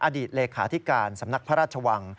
อดีตเลขาธิการสำนักพระราชวัง